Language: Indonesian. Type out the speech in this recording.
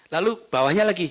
lalu bawahnya lagi